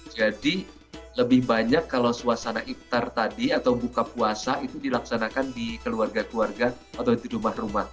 jadi lebih banyak kalau suasana iftar tadi atau buka puasa itu dilaksanakan di keluarga keluarga atau di rumah rumah